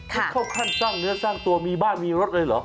มันเข้าขั้นสร้างเนื้อสร้างตัวมีบ้านมีรถเลยเหรอ